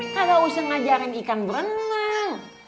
kalau usah ngajarin ikan berenang